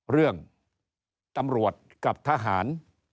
เรื่องตำรวจกับทหาร